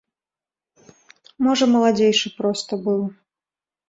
Можа, маладзейшы проста быў.